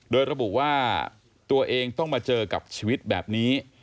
โดยระบุว่าตัวเองต้องมาเจอกับชีวิตแบบนี้